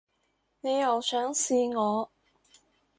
你又想試我